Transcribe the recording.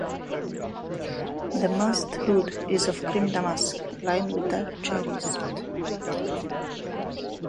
The MusD hood is of cream damask lined with dark cherry satin.